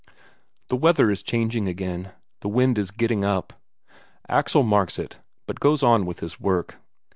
The weather is changing again, the wind is getting up. Axel marks it, but goes on with his work.